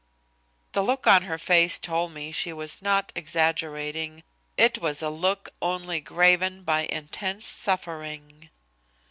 The look on her face told me she was not exaggerating. It was a look, only graven by intense suffering.